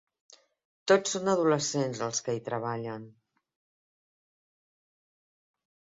Tots són adolescents els qui hi treballen.